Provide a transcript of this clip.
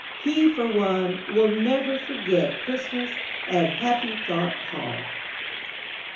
He, for one, will never forget Christmas at Happy Thought Hall.